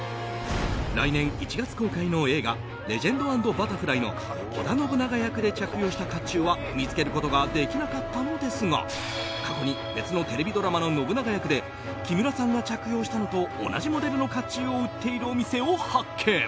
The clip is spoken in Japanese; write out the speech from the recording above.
来年１月公開の映画「レジェンド＆バタフライ」の織田信長役で着用した甲冑は見つけることができなかったのですが過去に別のテレビドラマの信長役で木村さんが着用したのと同じモデルの甲冑を売っているお店を発見。